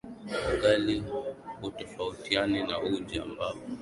Ugali hutofautiana na uji ambao hutayarishwa na hupikwa na maziwa